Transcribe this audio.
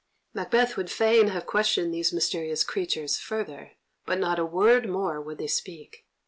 Macbeth would fain have questioned these mysterious creatures further, but not a word more would they speak.